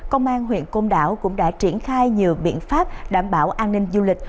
công an huyện côn đảo cũng đã triển khai nhiều biện pháp đảm bảo an ninh du lịch